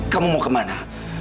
kamu mau kemana